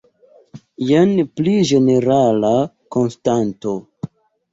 Jen pli ĝenerala konstato.